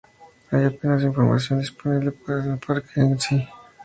Apenas hay información disponible para el parque en sí.